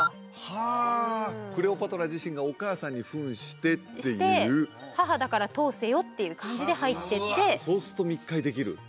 はあクレオパトラ自身がお母さんに扮してっていう母だから通せよっていう感じで入っていってそうすると密会できる？